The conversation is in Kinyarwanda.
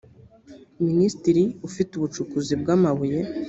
minisitiri ufite ubucukuzi bw amabuye